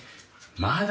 まだ。